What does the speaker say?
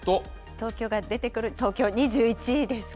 東京が出てくる、東京２１位ですか。